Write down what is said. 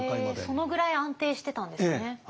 そのぐらい安定してたんですね。